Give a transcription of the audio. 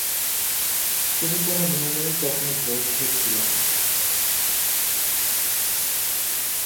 তুমি কোন নিয়মেই কখনও বদ্ধ ছিলে না।